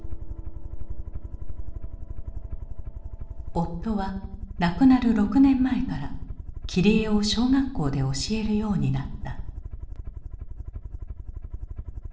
夫は亡くなる６年前から切り絵を小学校で教えるようになった。